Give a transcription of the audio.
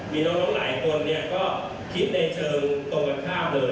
มีน้องหลายคนก็คิดในเชิงตรงกันข้ามเลย